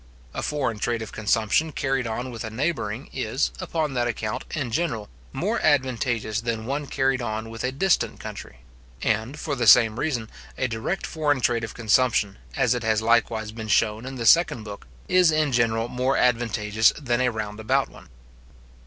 A foreign trade of consumption carried on with a neighbouring, is, upon that account, in general, more advantageous than one carried on with a distant country; and, for the same reason, a direct foreign trade of consumption, as it has likewise been shown in the second book, is in general more advantageous than a round about one.